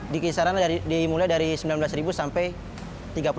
di kisaran dimulai dari rp sembilan belas sampai rp tiga puluh